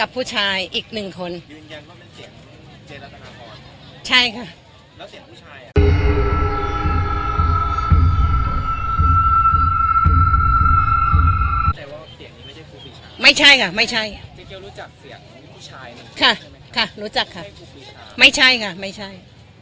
ผู้ชายหนึ่งค่ะค่ะรู้จักค่ะไม่ใช่ค่ะไม่ใช่